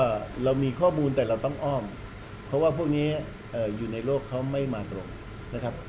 เรามีข้อมูลแต่เราต้องอ้อมเพราะว่าพวกนี้อยู่ในโลกเขาไม่มาตรงนะครับ